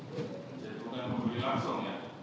jadi bukan membeli langsung ya